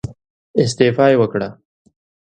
استعفا يې وکړه.